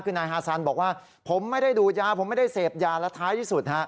คือนายฮาซันบอกว่าผมไม่ได้ดูดยาผมไม่ได้เสพยาและท้ายที่สุดฮะ